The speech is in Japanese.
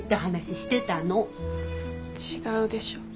違うでしょ。